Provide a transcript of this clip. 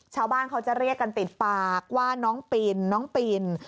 ชาวบ้านเขาจะเรียกกันติดปากว่าน้องปินน้องปิน